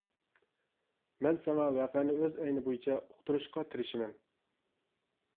مەن ساڭا ۋەقەنى ئۆز ئەينى بويىچە ئۇقتۇرۇشقا تىرىشىمەن.